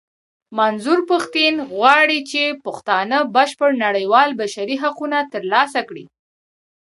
منظور پښتين غواړي چې پښتانه بشپړ نړېوال بشري حقونه ترلاسه کړي.